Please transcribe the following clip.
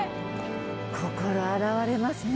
心洗われますね。